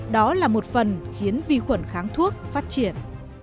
đó là một phần khiến vi khuẩn kháng thuốc phát triển